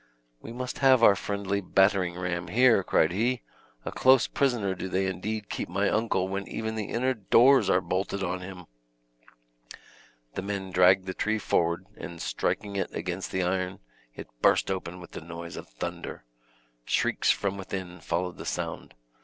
"We must have our friendly battering ram here," cried he; "a close prisoner do they indeed keep my uncle when even the inner doors are bolted on him." The men dragged the tree forward, and striking it against the iron, it burst open with the noise of thunder. Shrieks from within followed the sound.